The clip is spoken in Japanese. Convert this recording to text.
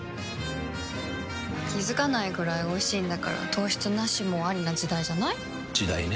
気付かないくらいおいしいんだから糖質ナシもアリな時代じゃない？時代ね。